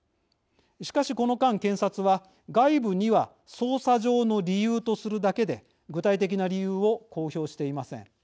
しかしこの間、検察は外部には捜査上の理由とするだけで具体的な理由を公表していません。